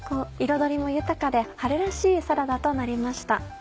彩りも豊かで春らしいサラダとなりました。